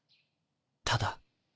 ただ。